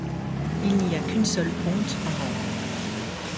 Il n’y qu’une seule ponte par an.